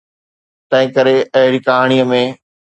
تنهنڪري اهڙي ڪهاڻي ۾.